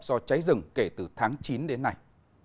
do cháy rừng kể từ tháng chín đến nay